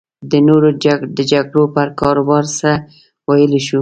د نورو د جګړو پر کاروبار څه ویلی شو.